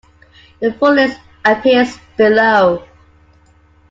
The full list appears below.